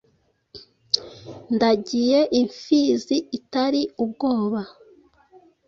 Ndagiye impfizi itari ubwoba,